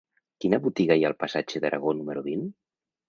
Quina botiga hi ha al passatge d'Aragó número vint?